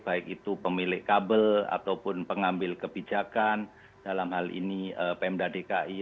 baik itu pemilik kabel ataupun pengambil kebijakan dalam hal ini pemda dki